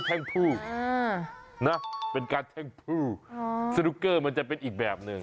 แทงพูเป็นการแทงพูสนุกเกอร์มันจะเป็นอีกแบบนึง